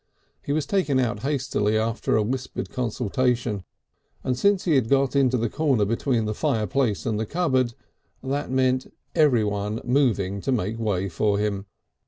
He was taken out hastily after a whispered consultation, and since he had got into the corner between the fireplace and the cupboard, that meant everyone moving to make way for him.